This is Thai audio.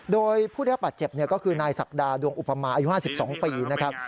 โดยผู้ได้รับบาดเจ็บก็คือนายศักดาดวงอุพมาอายุ๕๒ปีนะครับ